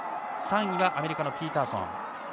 ３位はアメリカ、ピーターソン。